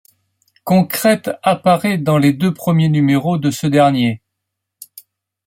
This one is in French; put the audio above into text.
Concrete apparaît dans les deux premiers numéros de ce dernier.